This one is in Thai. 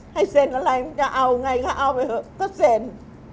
ให้เซ็นอะไรมึงจะเอาไงก็เอาไปเถอะก็เซ็น